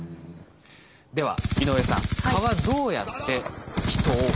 では井上さん蚊はどうやって人を見つけるんでしょうか？